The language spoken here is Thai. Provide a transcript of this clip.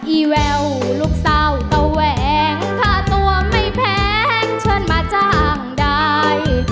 ีแววลูกสาวตะแหวงค่าตัวไม่แพงเชิญมาจ้างได้